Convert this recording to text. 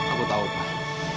aku tahu pak